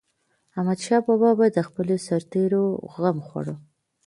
احمدشاه بابا به د خپلو سرتيرو غم خوړ.